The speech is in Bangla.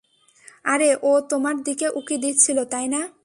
আরে, ও তোমার দিকে উঁকি দিচ্ছিল, তাই না?